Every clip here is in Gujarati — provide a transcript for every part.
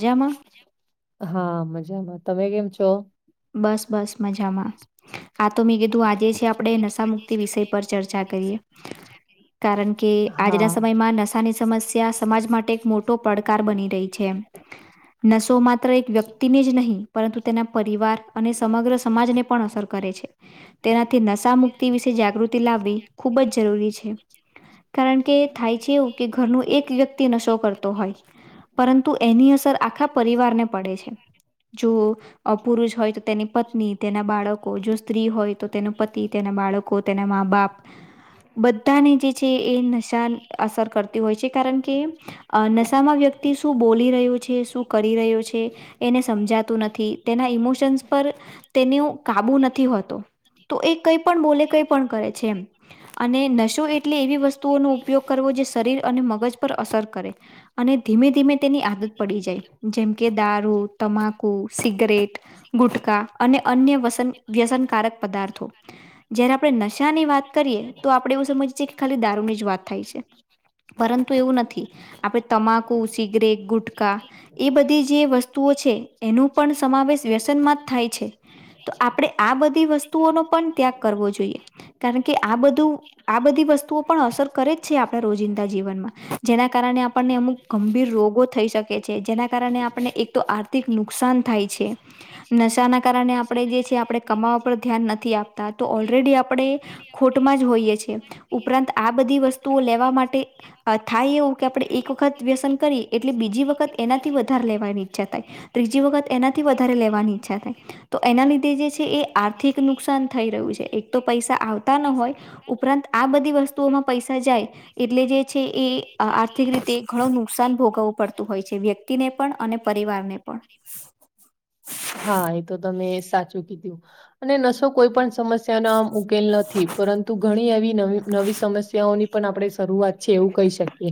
જામાં? હા મજામાં તમે કેમ છો? બસ બસ મજામાં આ તો મે કીધું આજે છે આપડે નશામુકિત વિષય પર ચર્ચા કરીએ. કારણ કે આજના હા સમયમાં નશાની સમસ્યા સમાજ માટે એક મોટો પડકાર બની રહી છે. નસો માત્ર એક વ્યક્તિને જ નહીં પરંતુ તેના પરિવાર અને સમગ્ર સમાજને પણ અસર કરે છે. તેનાથી નશા મુક્તિ વિશે જાગૃતિ લાવવી ખૂબ જ જરૂરી છે. કારણ કે થાય છે એવું કે ઘરનું એક વ્યક્તિ નશો કરતો હોય પરંતુ એની અસર આખા પરિવારને પડે છે. જો પુરુષ હોય તો તેની પત્ની તેના બાળકો જો સ્ત્રી હોય તો તેનો પતિ તેના બાળકો તેના મા બાપ બધાને જે છે એ નશા અસર કરતી હોય છે કારણ કે અ નશામાં વ્યક્તિ શું બોલી રહ્યું છે શું કરી રહ્યો છે એને સમજાતું ન તેના ઇમોશન્સ પર તેનો કાબુ નથી હોતો તો એ કઈ પણ બોલે કઈ પણ કરે છે એમ અને નશો એટલે એવી વસ્તુઓનો ઉપયોગ કરવો જે શરીર અને મગજ પર અસર કરે. અને ધીમે ધીમે તેની આદત પડી જાય જેમ કે દારૂ, તમાકુ, સિગરેટ, ગુટકા અને અન્ય વ્યસન વ્યસનકારક પદાર્થો. જયારે આપણે નશાની વાત કરીએ, તો આપડે એવું સમજીએ કે ખાલી દારૂની જ વાત થાય છે. પરંતુ એવું નથી, આપણે તમાક કુ, સિગરેટ, ગુટકા એ બધી જે વસ્તુઓ છે, એનો પણ સમાવેશ વ્યસ સન માં જ થાય છે, તો આપણે આ બધી વસ્તુઓ નો પણ ત્યાગ કરવો જોઈએ. કારણ કે આ બધું આ બધી વસ્તુઓ પણ અસર કરે જ છે આપણે રોજિંદા જીવનમાં, જેના કારણે આપણને અમુક ગંભીર રોગો થઈ શકે છે, જેના કારણે આપણને એકતો આર્થિક નુકસાન થાય છે. [inaudible] નશાના કારણે આપણે જે છે આપણે કમાવા પર ધ્યાન નથી આપતા, તો ઓલરેડી આપ પડે ખોટમાં જ હોઈએ છે, ઉપરાંત આ બધી વસ્તુઓ લેવા માટે આ થાય એવું, કે આપણે એક વખત વ્યસન કરીએ એટલે બીજી વખત એનાથી વધારે લેવાની ઈચ્છા થાય, ત્રીજી વખત એનાથી વધારે લેવાની ઈચ્છા થાય. તો એના લીધે જે છે એ આર્થિક નુકસાન થઈ રહ્યું છે, એક તો પૈસા આવતા ન હોય. ઉપરાંત આ બધી વસ્તુઓમાં પૈસા જાય. એટલે જે છે, એ અ આર્થિક રીતે ઘણું નુકશાન ભોગવું પડતું હોય છે, વ્યક્ત તી તેને પણ, અને પરિવારને પણ. હા, એ તો તમે સાચું કીધું, અને નશો કોઈ પણ સમસ્યાનો આમ ઉકેલ નથી, પરંતુ ઘણી એવી નવી, નવી સમસ્યાઓની પણ આપણે શરૂઆત છે, એવું કહી શકીએ.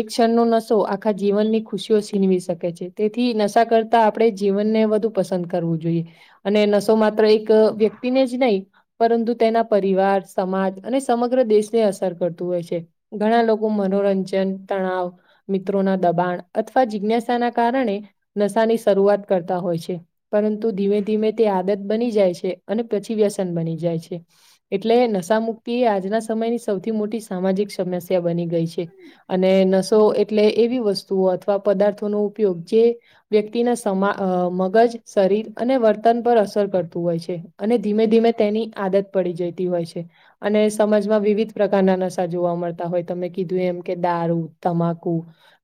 એક ક્ષણ નો નશો આખા જીવનની ખુશીઓ છીનવી શકે છે, તેથી નશા કરતા આપણે જીવનને વધુ પસંદ કરવું જોઈએ, અને નસો માત્ર એક વ્યક્તિને જ નહી પરંતુ તેના પરિવાર, સમાજ, અને સમગ્ર દેશને અસર કરતું હોય છે. ઘણા લોકો મનોરંજન, તણાવ મિત્રોના દબાણ, અથવા જિજ્ઞાસાના કારણે, નશાની શરૂઆત કરતા હોય છે. પરંતુ ધીમે ધીમે તે આદત બની જાય છે, અને પછી વ્યસન બની જાય છે. એટલે નશા મુક્તિ, આજના સમયની સૌથી મોટી સામાજિક સમસ્યા બની ગઈ છે. અને નસો એટલે એવી વસ્તુઓ, અથવા પદાર્થોનો ઉપયોગ જે વ્યક્તિના સમા અ મગજ શરીર અને વર્તન પર અસર કરતું હોય છે, અને ધીમે ધીમે તેની આદત પડી જતી હોય છે. અને સમાજમાં વિવિધ પ્રકારના નશા જોવા મળતા હોય, તમે કીધું એમ કે દારૂ, તમાકુ.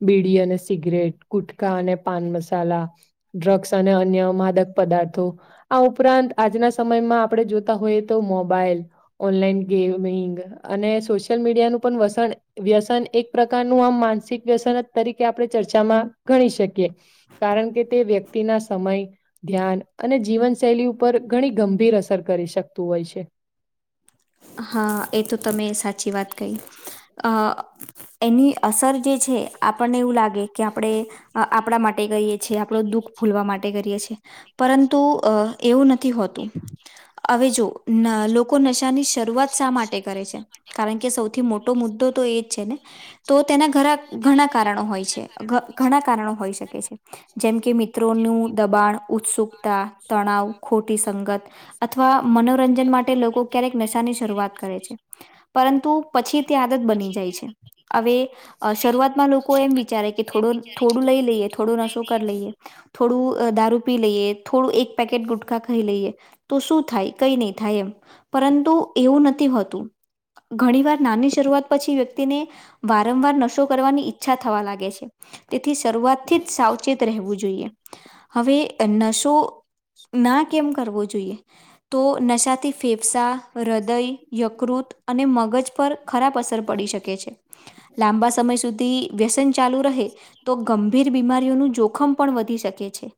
બીડી અને સિગરેટ, કુટકા અને પાન મસાલા, ડ્રગ્સ અને અન્ય માદક પદાર્થો, આ ઉપરાંત આજના સમયમાં આપણે જોતા હોઈએ તો, મોબાઈલ ઓનલાઈન ગેમિંગ અને સોશિયલ મીડિયાનું પણ વસન, વ્યસન એક પ્રકારનું, આમ માનસિક વ્યસન તરીકે આપણે ચર્ચામાં ગણી શકીએ, કારણ કે તે વ્યક્તિના સમય ધ્યાન, અને જીવનશૈલી ઉપર ઘણી ગંભીર અસર કરી શકતું હોય છે. હા એ તો તમે સાચી વાત કહી, અ એની અસર જે છે, આપણને એવું લાગે, કે આપણે આપણા માટે કઈએ છે, આપડે દુઃખ ભૂલવા માટે કરીએ છી, પરંતુ એવું નથી હોતું. હવે જો, લોકો ન નશાની શરૂઆત શા માટે કરે છે? કારણ કે સૌથી મોટો મુદ્દો તો એ જ છે ને. તો તેના ઘરા, ઘણા કારણો હોય છે, ઘ ઘણા કારણો હોય શકે છે. જેમ કે મિત્રોનું દબાણ, ઉત્સુકતા. તણાવ, ખોટી સંગત, અથવા મનોરંજન માટે લોકો ક્યારેક નશાની શરૂઆત કરે છે પરંતુ પછી તે આદત બની જાય છે હવે શરૂઆતમાં લોકો એમ વિચારે કે થોડું થોડું લઈ લઈએ થોડું નશો કરી લઈએ થોડું દારૂ પી લઈએ થોડું એક પેકેટ ગુટખા ખાઈ લઈએ તો શું થાય? કઈ ની થાય એમ પરંતુ એવું નથી હોતું ઘણી વાર નાની શરૂઆત પછી વ્યક્તિને વારંવાર નશો કરવાની ઈચ્છા થવા લાગે છે. તેથી શરૂઆતથી જ સાવચેત રહેવું જોઈએ હવે નસો ના કેમ કરવો જોઈએ તો નશાથી ફે ફેફસા હૃદય યકૃત અને મગજ પર ખરાબ અસર પડી શકે છે. લાંબા સમય સુધી વ્યસન ચાલુ રહે તો ગંભીર બીમારીઓનું જોખમ પણ વધી શકે છે.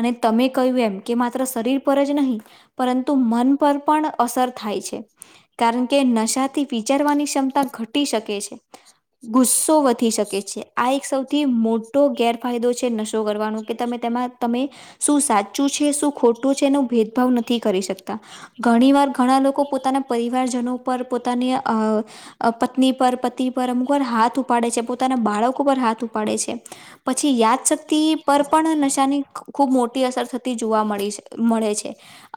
અને તમે કહ્યું એમ કે માત્ર શરીર પર જ નહીં પરંતુ મન પર પણ અસર થાય છે કારણ કે નશાથી વિચારવાની ક્ષમતા ઘટી શકે છે. ગુસ્સો વધી શકે છે આ એક સૌથી મોટો ગેરફાયદો છે નશો કરવાનો કે તમે તેમાં તમે શું સાચું છે શું ખોટું છે એનો ભેદભાવ નથી કરી શકતા ઘણી વાર ઘણા લોકો પોતાના પરિવારજનો પર પોતાની અ પત્ની પર પતિ પર અમુક પર હાથ ઉપાડે છે પોતાના બાળકો પર હાથ ઉપાડે છે. પછી યાદશક્તિ પર પણ નશાની ખૂબ મોટી અસર થતી જોવા મળી છે મળે છે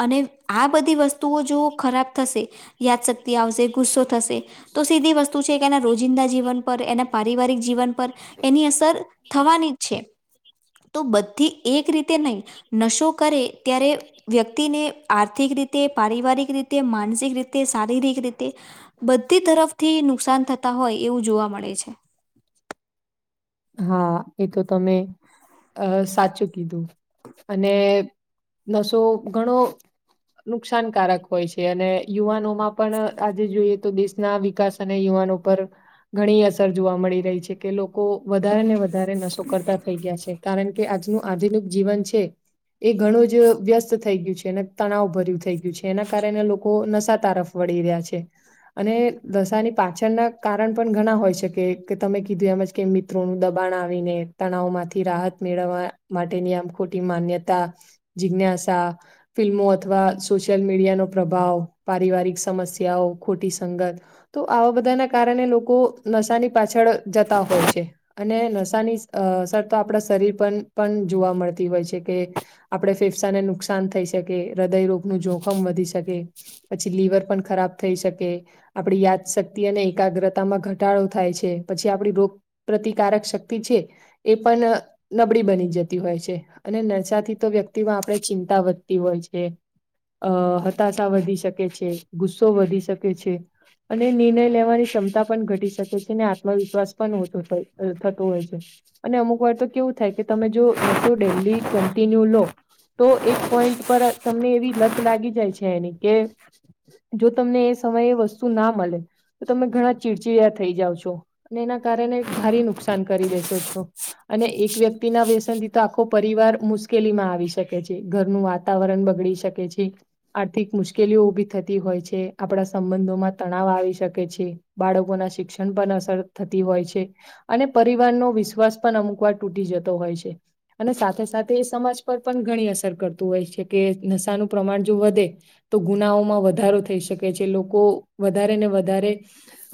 અને આ બધી વસ્તુઓ જો ખરાબ થશે યાદ શક્તિ આવશે ગુસ્સો થશે તો સીધી વસ્તુ છે કે ને રોજિંદા જીવન પર એના પારિવારિક જીવન પર એની અસર થવાની જ છે. તો બધી એક રીતે નઈ નશો કરે ત્યારે વ્યક્તિને આર્થિક રીતે પારિવારિક રી તે માનસિક રીતે શારીરિક રીતે બધી તરફથી નુકસાન થતા હોય એવું જોવા મળે છે. હા એ તો તમે અ સાચું કીધું અને નસો ઘણો નુકસાનકારક હોય છે અને યુવાનો માં પણ આજે જોઈએ તો દેશ નવા વિકાસ અને યુવાનો પર ઘણી અસર જોવા મળી રહી છે કે લોકો વધારે ને વધારે નશો કરતા થઈ ગયા છે કારણ કે આજનું આધુનિક જીવન છે. એ ઘણું જ વ્યસ્ત થઈ ગયું છે અને તણાવ ભર્યું થઈ ગયું છે એના કારણે લોકો નશા તારફ વળી રહ્યા છે. અને દશા ની પાછળના કારણ પણ ઘણા હોય શકે કે તમે કીધું એમજ કે મી [unintelligible] દબાણ આવીને તણાવ માંથી રાહત મેળવવા માટેની આમ ખોટી માન્યતા જીજ્ઞાસા ફિલ્મો અથવા સોશિયલ મીડિયા નો પ્રભાવ પારિવારિક સમસ્યાઓ ખોટી સંગત તો આવા બધાના કારણે લોકો નશા ની પાછળ જતા હોય છે. અને નશાની સ અસર તો આપડા શરીર પન પન જોવા મળતી હોય છે કે આપડે ફેફસાને નુકસાન થઈ શકે હૃદયરોગનું જોખમ વધી શકે. પછી લીવર પણ ખરાબ થઈ શકે. આપડી યાદશક્તિ અને એકાગ્રતામાં ઘટાડો થાય છે પછી આપડી રોગ પ્રતિકારક શક્તિ છે એ પન નબળી બની જતી હોય છે અને નશા થી તો વ્યક્તિમાં આપડે ચિંતા વધતી હોય છે. અ હતાશા વધી શકે છે ગુસ્સો વધી શકે છે. અને નિર્ણય લેવાની ક્ષમતા પણ ઘટી શકે છે અને આત્મવિશ્વાસ પણ [unintelligible] [unintelligible] થતું હોય છે. અને અમુક વાર તો કેવું થાય કે તમે જો નસો ડેલી કન્ટિન્યુ લો તો એક પોઈન્ટ પર તમને એવી લત લાગી જાય છે એની કે જો તમને એ સમયે વસ્તુ ના મલે. તો તમે ઘણા ચીડચીડા થઈ જાઓ છો અને એના કારણે ભારી નુકસાન કરી બેસો છો. અને એક વ્યક્તિના વ્યસન થી તો આખો પરિવાર મુશ્કેલી માં આવી શકે છે ઘરનું વાત તાવરણ બગડી શકે છે. આર્થિક મુશ્કેલીઓ ઊભી થતી હોય છે આપણા સંબંધોમાં તણાવ આવી શકે છે. બાળકોના શિક્ષણ પર અસર થતી હોય છે. અને પરિવારનો વિશ્વાસ પણ અમુક વાર તૂટી જતો હોય છે. અને સાથે સાથે એ સમાજ પર પણ ઘણી અસર કરતું હોય છે કે નશાનું પ્રમાણ જો વધે તો ગુનાઓમાં વધારો થઈ શકે છે લોકો વધારે ને વધારે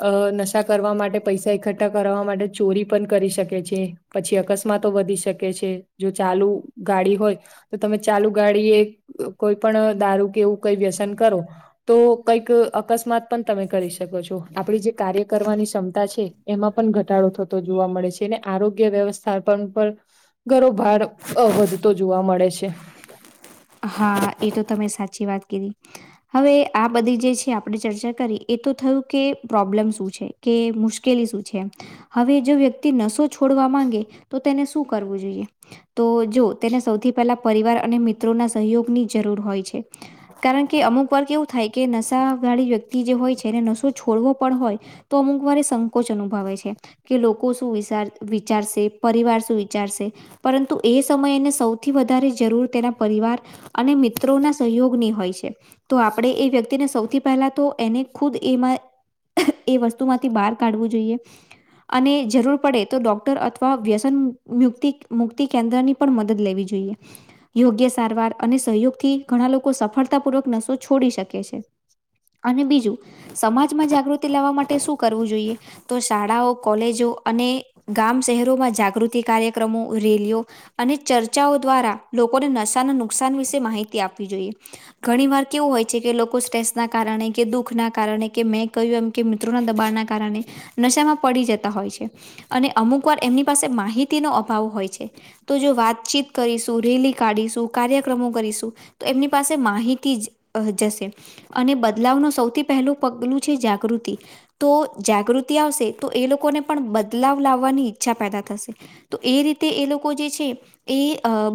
અ નશા કરવા માટે પૈસા એકઠ્ઠા કરવા માટે ચોરી પણ કરી શકે છે પછી અકસ્માતો વધી શકે છે જો ચાલુ ગાડી હોય તો તમે ચાલુ ગાડી એ અ કોઈ પણ દારૂ કેવું કઈ વ્યસન કરો. તો કઈક અકસ્માત પણ તમે કરી શકો છો આપડી જે કાર્ય કરવાની ક્ષમતા છે એમાં પણ ઘટ થતો જોવા મળે છે ને આરોગ્ય વ્યવસ્થા પણ પર ઘણો ભાર અ વધતો જોવા મળે છે. હા એ તો તમે સાચી વાત કીધી. હવે આ બધી જે છે આપણે ચર્ચા કરી એ તો થયું કે પ્રોબ્લેમ શું છે? કે મુશ્કેલી શું છે હવે જો વ્યક્તિ નસો છોડવા માંગે તો તેને શું કરવું જોઈએ તો જો તેને સૌથી પહેલા પરિવાર અને મિત્રો ના સહયોગની જરૂર હોય છે કારણ કે અમુક વાર કેવુ થાય કે નશા વાળી વ્યક્તિ જે હોય છે એને નશો છોડવો પણ હોય તો અમુક વારે સંકોચ અનુભવે છે કે લોકો શું વિસાર વિચારશે પરિવાર શું વિચારશે પરંતુ એ સમયે એને સૌથી વધારે જરૂર તેના પરિવાર અને મિત્રોના સહયોગની હોય છે તો આપણે એ વ્યક્તિને સૌથી પહેલા તો એને ખુદ એમાં એ વસ્તુ માંથી બાર કાઢવું જોઈએ અને જરૂર પડે તો ડોક્ટર અથવા વ્યસન મ્યુક્તિક મુક્તિ કેન્દ્રની પણ મદદ લેવી જોઈએ યોગ્ય સારવાર અને સહયોગથી ઘણા લોકો સફળતાપૂર્વક નશો છોડી શકે છે અને બીજું સમાજમાં જાગૃતિ લાવવા માટે શું કરવું જોઈએ તો શાળાઓ કોલેજો અને ગામ શહેરોમાં જાગૃતિ કાર્યક્રમો રેલીઓ અને ચર્ચાઓ દ્વારા લોકોને નશા ના નુકસાન વિશે માહિતી આપવી જોઈએ ઘણી વાર કેવું હોય છે કે લોકો સ્ટ્રેસ ના કારણે કે દુઃખ ના કારણે કે મેં કહ્યું એમ કે મિત્રોના દબાણના કારણે નશામાં પડી જતા હોય છે અને અમુક વાર એમની પાસે માહિતીનો અભાવ હોય છે તો જો વાતચીત કરીશું રેલી કાઢીશું કાર્યક્રમો કરીશું તો એમની પાસે માહિતી જ જશે અને બદલાવનું સૌથી પહેલું પગલું છે જાગૃતિ તો જાગૃતિ આવશે તો એ લોકોને પણ બદલાવ લાવવાની ઈચ્છા પેદા થશે તો એ રીતે એ લોકો જે છે એ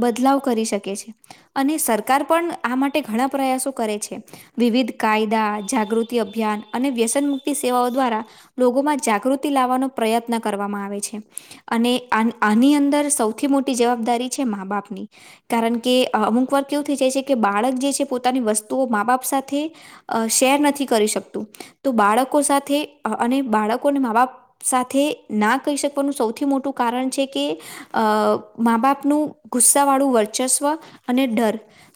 બદલાવ કરી શકે છે અને સરકાર પણ આ માટે ઘણા પ્રયાસો કરે છે. વિવિધ કાયદા જાગૃતિ અભિયાન અને વ્યસન મુક્તિ સેવાઓ દ્વારા લોકોમાં જાગૃતિ લાવવાનો પ્રયત્ન કરવામાં આવે છે. અને આની આની અંદર સૌથી મોટી જવાબદારી છે મા બાપની કારણ કે કે અમુક વાર કેવું થઇ જાય છે, કે બાળક જે છે પોતાની વસ્તુઓ મા બાપ સાથે અ શેર નથી કરી શકતું. તો બાળકો સાથે અને બાળકોને મા બાપ સાથે ના કહી શકવાનું સૌથી મોટું કારણ છે કે અ મા બાપનું ગુસ્સા વાળું વર્ચસ્વ અને ડર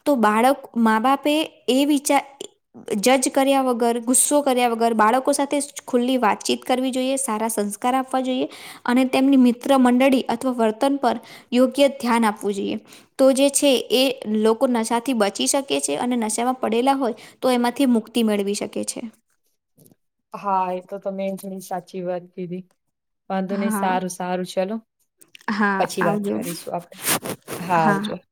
તો બાળક મા બાપે એ વિચાર જજ કર્યા વગર, ગુસ્સો કર્યા વગર, બાળકો સાથે ખુલ્લી વાતચીત કરવી જોઈએ સારા સંસ્ સંસ્કાર આપવા જોઈએ અને તેમની મિત્ર મંડળી વર્તન પર યોગ્ય ધ્યાન આપવું જોઈએ તો જે છે એ લોકો નશાથી બચી શકે છે. અને નશામાં પડેલા હોય તો એમાંથી મુક્તિ મેળવી શકે છે. હા, એ તો તમેં ઘણી સાચી વાત કીધી વાંધો નહી, હા સારું સારું ચાલો. હા પછી વાત આવજો કરીશું આપડે, હા આવજો.